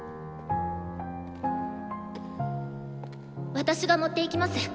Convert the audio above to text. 私が持っていきます。